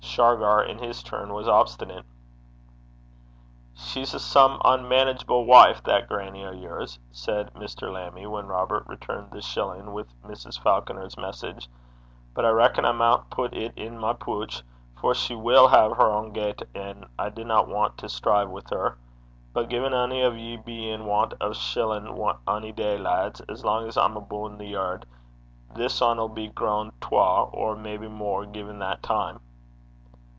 Shargar, in his turn, was obstinate. 'She's a some camstairy (unmanageable) wife, that grannie o' yours,' said Mr. Lammie, when Robert returned the shilling with Mrs. Falconer's message, 'but I reckon I maun pit it i' my pooch, for she will hae her ain gait, an' I dinna want to strive wi' her. But gin ony o' ye be in want o' a shillin' ony day, lads, as lang 's I'm abune the yird this ane 'll be grown twa, or maybe mair, 'gen that time.'